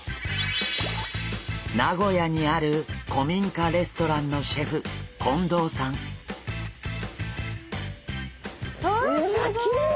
名古屋にある古民家レストランのうわすごい！